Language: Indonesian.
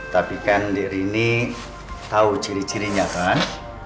tapi kan diri ini tahu ciri cirinya kan